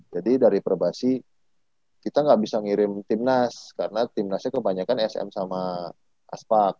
jadi dari perbahasi kita ga bisa ngirim timnas karena timnasnya kebanyakan sm sama aspak